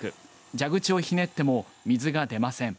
蛇口をひねっても水が出ません。